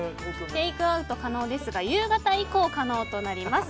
テイクアウト可能ですが夕方以降可能となります。